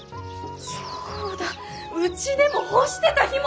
そうだうちでも干してた干物！